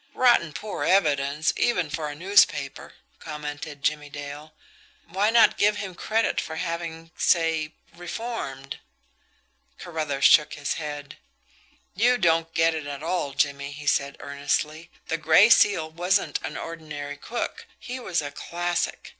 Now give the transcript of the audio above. "Rotten poor evidence, even for a newspaper," commented Jimmie Dale. "Why not give him credit for having, say reformed?" Carruthers shook his head. "You don't get it at all, Jimmie," he said earnestly. "The Gray Seal wasn't an ordinary crook he was a classic.